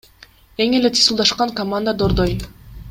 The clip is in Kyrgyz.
Эң эле титулдашкан команда — Дордой.